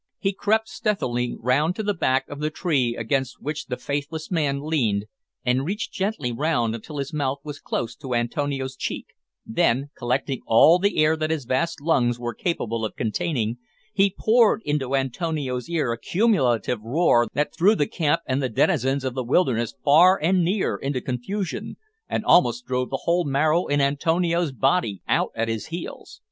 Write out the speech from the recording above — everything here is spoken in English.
He crept stealthily round to the back of the tree against which the faithless man leaned, and reached gently round until his mouth was close to Antonio's cheek, then, collecting all the air that his vast lungs were capable of containing, he poured into Antonio's ear a cumulative roar that threw the camp and the denizens of the wilderness far and near into confusion, and almost drove the whole marrow in Antonio's body out at his heels.